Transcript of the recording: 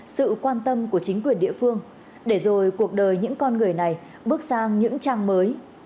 sự quan tâm của chính quyền địa phương để rồi cuộc đời những con người này bước sang những trang mới